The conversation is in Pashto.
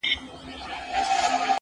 زه به دلته قتل باسم د خپلوانو!.